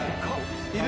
いる？